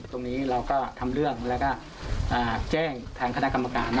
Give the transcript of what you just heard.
ตรงนี้เราก็ทำเรื่องแล้วก็แจ้งทางคณะกรรมการ